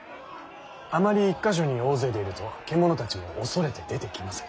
あまり１か所に大勢でいると獣たちも恐れて出てきません。